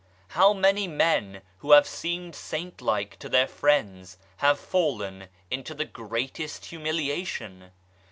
How many men who have seemed saint like to their friends have fallen into the greatest humiliation.